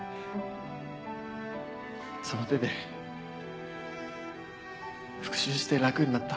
その手で復讐して楽になった？